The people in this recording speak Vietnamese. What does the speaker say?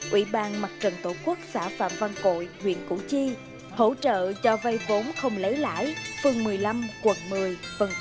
ủy ban mặt trận tổ quốc xã phạm văn cội huyện củ chi hỗ trợ cho vay vốn không lấy lãi phường một mươi năm quận một mươi v v